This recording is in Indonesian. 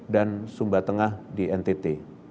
dan sumba tengah di ntt